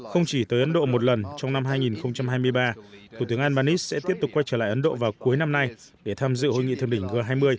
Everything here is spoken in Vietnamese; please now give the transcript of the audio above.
không chỉ tới ấn độ một lần trong năm hai nghìn hai mươi ba thủ tướng albanese sẽ tiếp tục quay trở lại ấn độ vào cuối năm nay để tham dự hội nghị thượng đỉnh g hai mươi